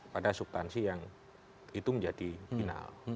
pada subtansi yang itu menjadi final